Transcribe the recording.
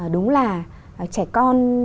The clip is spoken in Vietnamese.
đúng là trẻ con